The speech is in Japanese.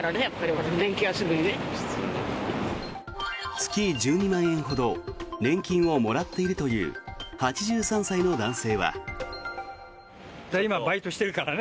月１２万円ほど年金をもらっているという８３歳の男性は。